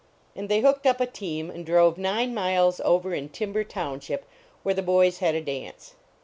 And they hooked up a team and drove nine miles over in Timber township, where the boys had a dance.